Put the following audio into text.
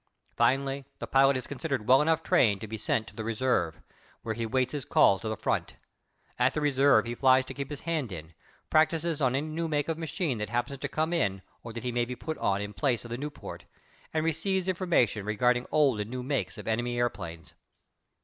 Finally the pilot is considered well enough trained to be sent to the reserve, where he waits his call to the front. At the reserve he flies to keep his hand in, practises on any new make of machine that happens to come out or that he may be put on in place of the Nieuport, and receives information regarding old and new makes of enemy airplanes.